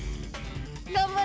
頑張れ。